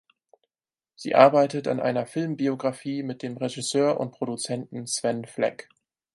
Sie arbeitet an einer Filmbiografie mit dem Regisseur und Produzenten Sven Fleck.